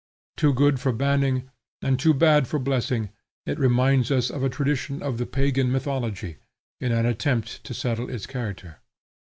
Too good for banning, and too bad for blessing, it reminds us of a tradition of the pagan mythology, in any attempt to settle its character.